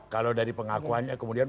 kalau dari pengakuannya kemudian